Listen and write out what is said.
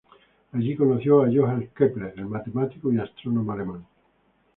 Allí conoció a Johannes Kepler, el matemático y astrónomo alemán.